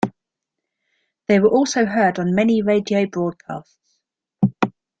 They were also heard on many radio broadcasts.